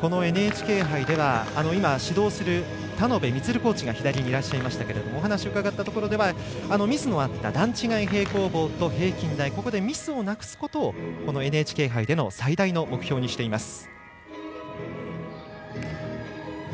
ＮＨＫ杯では今、指導する田野辺満コーチお話を伺ったところではミスのあった段違い平行棒と平均台ミスをなくすことをＮＨＫ杯での最大の目標にしています。